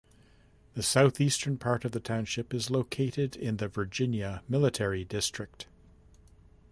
The southeastern part of the township is located in the Virginia Military District.